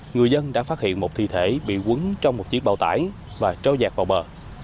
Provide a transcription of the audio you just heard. người dân đã phát hiện một thi thể bị quấn trong một chiếc bào tải và trâu giạt vào bờ